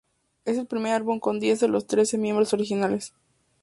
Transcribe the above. Es el primer álbum con diez de los trece miembros originales.